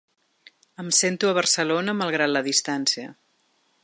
Em sento a Barcelona, malgrat la distància.